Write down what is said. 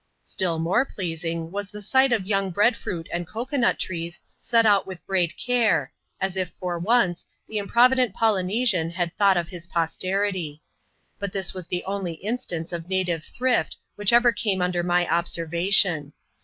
Still more pleasing was the sight of young bread fruit and cocoa nut trees set out with great care, as if, for once, the improvident Polynesian had thought of his posterity. But this was the only instance of native thrift which ever came under my observation.